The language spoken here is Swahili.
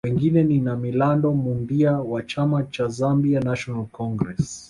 Wengine ni Namilando Mundia wa chama cha Zambia National Congress